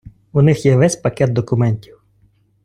У них є весь пакет документів.